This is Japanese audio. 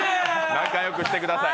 仲よくしてください。